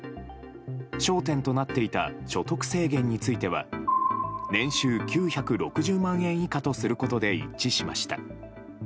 焦点となっていた所得制限については年収９６０万円以下とすることで一致しました。